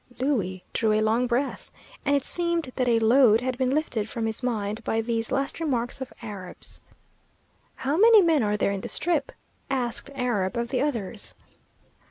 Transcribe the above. Louie drew a long breath, and it seemed that a load had been lifted from his mind by these last remarks of Arab's. "How many men are there in the Strip?" asked Arab of the others.